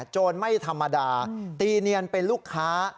โจรไม่ธรรมดาตีเนียนเป็นลูกค้า